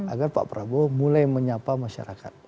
agar pak prabowo mulai menyapa masyarakat